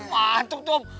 wah mantap tuh om